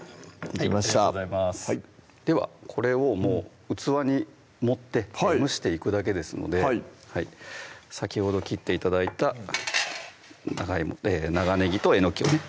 ありがとうございますではこれをもう器に盛って蒸していくだけですので先ほど切って頂いた長ねぎとえのきをね